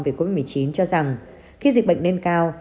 về covid một mươi chín cho rằng khi dịch bệnh lên cao